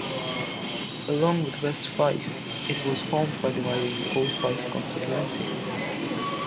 Along with West Fife, it was formed by dividing the old Fife constituency.